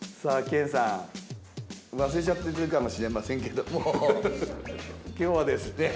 研さん忘れちゃってるかもしれませんけども今日はですね